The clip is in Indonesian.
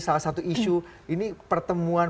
salah satu isu ini pertemuan